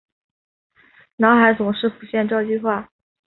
脑海总是浮现这句话